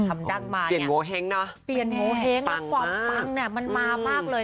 ดั้งมาเปลี่ยนโงเห้งนะเปลี่ยนโงเห้งแล้วความปังเนี่ยมันมามากเลย